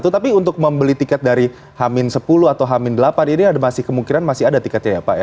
tapi untuk membeli tiket dari hamin sepuluh atau hamin delapan ini masih kemungkinan masih ada tiketnya ya pak ya